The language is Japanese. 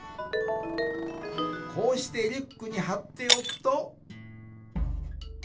こうしてリュックにはっておくと。